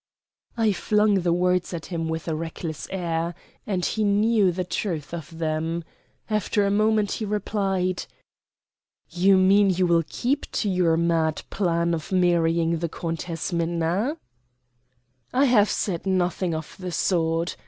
I flung the words at him with a reckless air, and he knew the truth of them. After a moment he replied: "You mean you will keep to your mad plan of marrying the Countess Minna?" "I have said nothing of the sort.